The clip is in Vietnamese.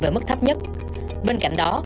về mức thấp nhất bên cạnh đó